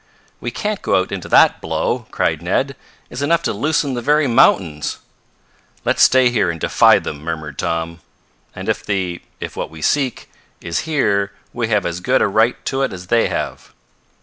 "We can't go out into that blow!" cried Ned. "It's enough to loosen the very mountains!" "Let's stay here and defy them!" murmured Tom. "If the if what we seek is here we have as good a right to it as they have."